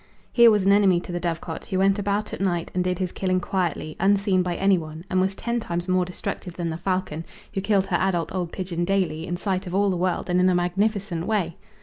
Here was an enemy to the dovecote who went about at night and did his killing quietly, unseen by any one, and was ten times more destructive than the falcon, who killed her adult old pigeon daily in sight of all the world and in a magnificent way!